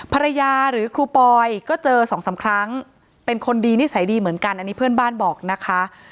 หรือครูปอยก็เจอสองสามครั้งเป็นคนดีนิสัยดีเหมือนกันอันนี้เพื่อนบ้านบอกนะคะ